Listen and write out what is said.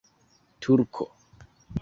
turko